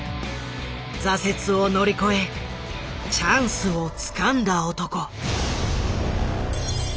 挫折を乗り越えチャンスをつかんだ男。